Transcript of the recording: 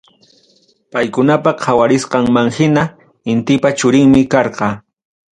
Paykunapa qawarisqanmanhina, Intipa churinmi karqa.